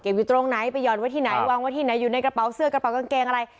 อยู่ตรงไหนไปหย่อนไว้ที่ไหนวางไว้ที่ไหนอยู่ในกระเป๋าเสื้อกระเป๋ากางเกงอะไร